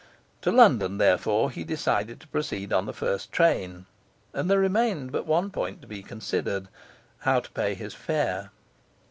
To London, therefore, he decided to proceed on the first train; and there remained but one point to be considered, how to pay his fare.